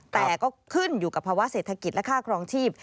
แต่ก็ขึ้นอยู่กับภาวะเศรษฐกิจและค่าครองชีพ